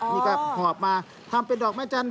นี่ก็หอบมาทำเป็นดอกไม้จันท